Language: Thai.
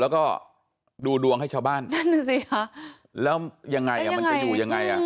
แล้วก็ดูดวงให้ชาวบ้านนั่นน่ะสิคะแล้วยังไงอ่ะมันจะอยู่ยังไงอ่ะ